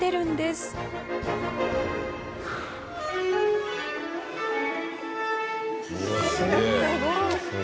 すごい！